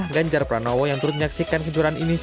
di tengah ganjar pranowo yang turut menyaksikan kejuaraan ini